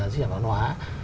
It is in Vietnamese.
di trả văn hóa